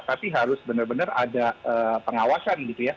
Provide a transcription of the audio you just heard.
tapi harus benar benar ada pengawasan gitu ya